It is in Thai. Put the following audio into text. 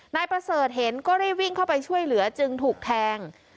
นายประเสริฐเห็นก็รีบวิ่งเข้าไปช่วยเหลือจึงถูกแทง